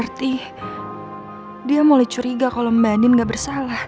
berarti dia mulai curiga kalo mbak adin gak bersalah